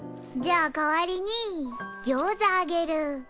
じゃあ代わりにギョーザあげる。